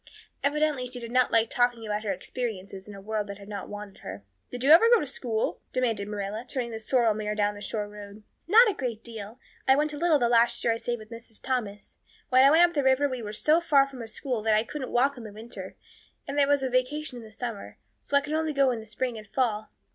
Evidently she did not like talking about her experiences in a world that had not wanted her. "Did you ever go to school?" demanded Marilla, turning the sorrel mare down the shore road. "Not a great deal. I went a little the last year I stayed with Mrs. Thomas. When I went up river we were so far from a school that I couldn't walk it in winter and there was a vacation in summer, so I could only go in the spring and fall.